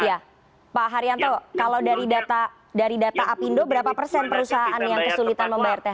iya pak haryanto kalau dari data apindo berapa persen perusahaan yang kesulitan membayar thr